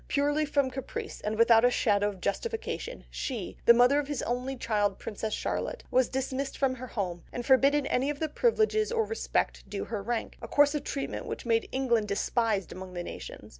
Purely from caprice, and without a shadow of justification, she, the mother of his only child Princess Charlotte, was dismissed from her home, and forbidden any of the privileges or respect due to her rank, a course of treatment which made England despised among the nations.